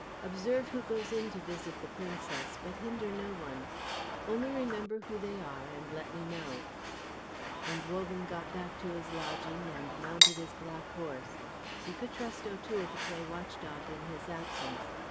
Observe who goes in to visit the Princess, but hinder no one. Only remember who they are and let me know." And Wogan got back to his lodging and mounted his black horse. He could trust O'Toole to play watchdog in his absence.